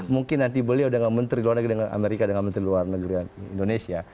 mungkin nanti beliau dengan menteri luar negeri dengan amerika dengan menteri luar negeri indonesia